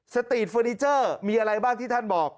สตีทเวอร์นิเจอร์มีอะไรบ้างที่ท่านบอก